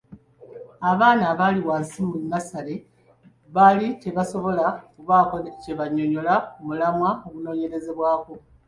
Abaana abaali wansi mu nnassale baali tebasobola kubaako kye bannyonnyola ku mulamwa ogunoonyerezebwako.